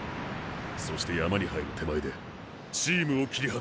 そして山に入る手前でチームを切り離す。